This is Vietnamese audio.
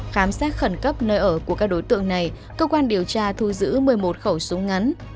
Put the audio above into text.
khám xét khẩn cấp nơi ở của các đối tượng này cơ quan điều tra thu giữ một mươi một khẩu súng ngắn